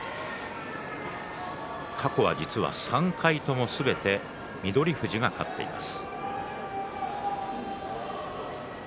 過去は３回とも翠富士が勝っています。